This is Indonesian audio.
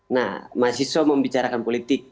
nah mahasiswa membicarakan politik